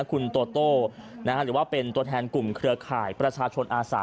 คุณโตโต้หรือว่าเป็นตัวแทนกลุ่มเครือข่ายประชาชนอาสา